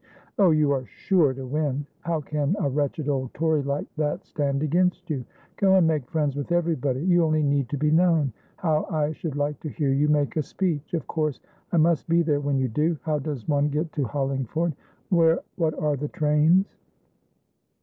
"Oh, you are sure to win! How can a wretched old Tory like that stand against you? Go and make friends with everybody. You only need to be known. How I should like to hear you make a speech! Of course I must be there when you do. How does one get to Hollingford? What are the trains?"